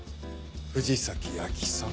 藤崎亜季さん。